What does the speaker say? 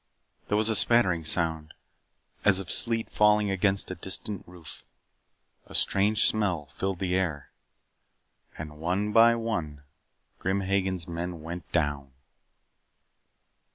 There was a spattering sound, as of sleet falling against a distant roof. A strange smell filled the air. And one by one Grim Hagen's men went down.